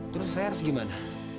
terus saya harus gimana